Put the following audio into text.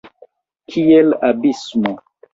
Kiel abismo!